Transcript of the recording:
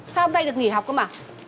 sao hôm nay được nghỉ học cơ mà